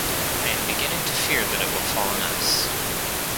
I am beginning to fear that it will fall on us.